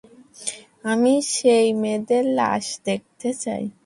আমি সেই মেয়েদের লাশ দেখতে চাই।